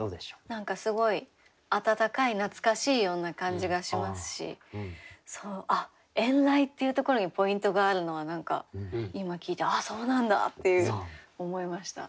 何かすごい温かい懐かしいような感じがしますし「遠雷」っていうところにポイントがあるのは何か今聞いてあっそうなんだって思いました。